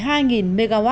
thông tư quy định các dự án